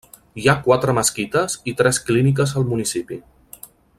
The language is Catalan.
Hi ha quatre mesquites i tres clíniques al municipi.